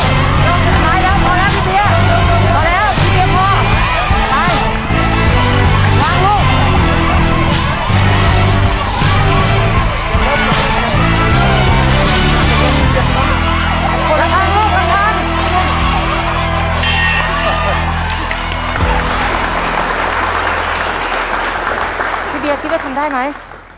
ขอโทษคุณคุณด้วยบียบริกาพิมพ์